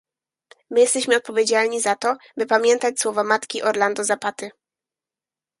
My jesteśmy odpowiedzialni za to, by pamiętać słowa matki Orlando Zapaty